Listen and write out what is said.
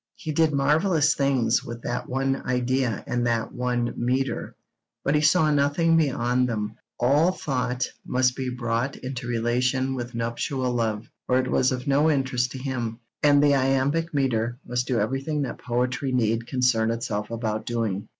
He did marvellous things with that one idea and that one metre, but he saw nothing beyond them; all thought must be brought into relation with nuptial love, or it was of no interest to him, and the iambic metre must do everything that poetry need concern itself about doing.